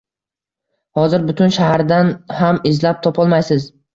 Hozir butun shahardan ham izlab topolmaysiz